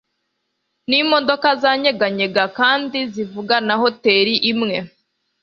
Nimodoka zanyeganyega kandi zivuga na hoteri imwe